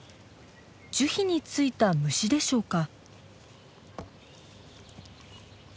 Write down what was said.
樹皮についた虫でしょうか？